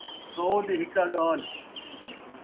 سو دی ہکا ڳالھ